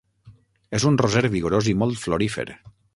És un roser vigorós i molt florífer.